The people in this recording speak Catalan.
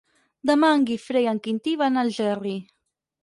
Demà en Guifré i en Quintí van a Algerri.